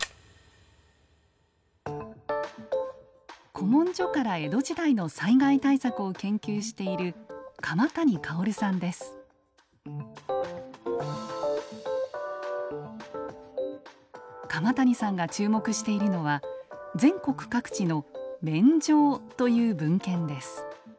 古文書から江戸時代の災害対策を研究している鎌谷さんが注目しているのは全国各地の「免定」という文献です。